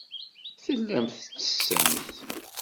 Tellamt tettessemt.